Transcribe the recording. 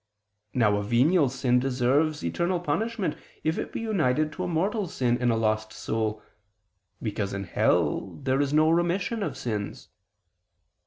Now a venial sin deserves eternal punishment if it be united to a mortal sin in a lost soul, because in hell there is no remission of sins.